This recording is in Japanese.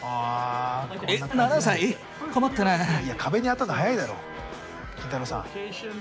いや壁に当たんの早いだろ金太郎さん。